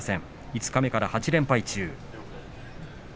五日目から８連敗中。